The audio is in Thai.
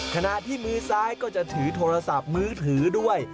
ขณะที่มือซ้ายก็จะถือโทรศัพท์มือถือด้วย